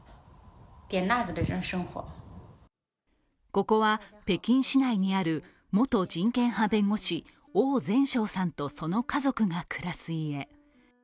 ここは北京市内にある元人権派弁護士、王全璋さんとその家族が暮らす家。